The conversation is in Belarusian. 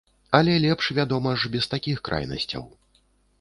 Але лепш, вядома ж, без такіх крайнасцяў.